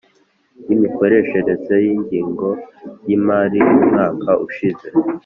y imikoreshereze y ingengo y imari y umwaka ushize